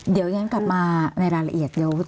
เดียวยังกลับมาในรายละเอียด